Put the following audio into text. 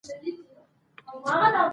چائے ، کافي ، بې خوابي ، زيات شوګر